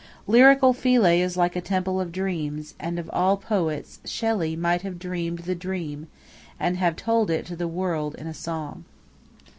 Lyrical Philae is like a temple of dreams, and of all poets Shelley might have dreamed the dream and have told it to the world in a song.